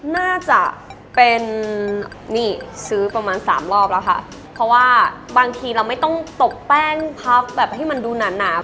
น่าจะเป็นนี่ซื้อประมาณสามรอบแล้วค่ะเพราะว่าบางทีเราไม่ต้องตบแป้งพับแบบให้มันดูหนาหนา